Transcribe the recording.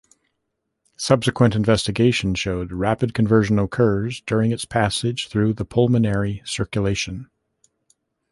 Subsequent investigation showed rapid conversion occurs during its passage through the pulmonary circulation.